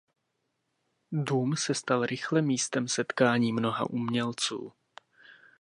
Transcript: Dům se stal rychle místem setkání mnoha umělců.